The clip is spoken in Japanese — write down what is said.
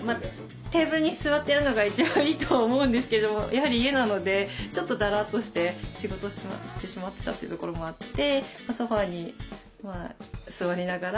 テーブルに座ってやるのが一番いいと思うんですけれどもやはり家なのでちょっとだらっとして仕事してしまってたというところもあって。